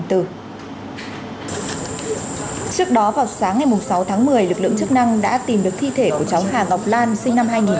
trước đó vào sáng ngày sáu tháng một mươi lực lượng chức năng đã tìm được thi thể của cháu hà ngọc lan sinh năm hai nghìn